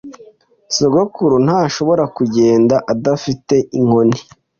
Sogokuru ntashobora kugenda adafite inkoni.